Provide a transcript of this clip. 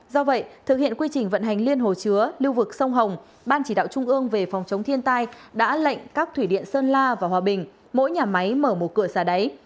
do vậy thực hiện quy trình vận hành liên hồ chứa lưu vực sông hồng ban chỉ đạo trung ương về phòng chống thiên tai đã lệnh các thủy điện sơn la và hòa bình mỗi nhà máy mở một cửa xả đáy